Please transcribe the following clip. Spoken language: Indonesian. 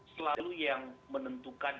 selalu yang menentukan